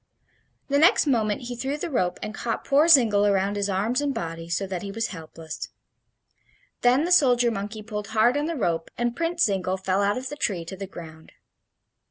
The next moment he threw the rope and caught poor Zingle around his arms and body, so that he was helpless. Then the soldier monkey pulled hard on the rope, and Prince Zingle fell out of the tree to the ground.